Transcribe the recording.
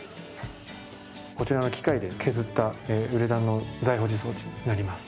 こちらの機械で削ったウレタンの座位保持装置になります。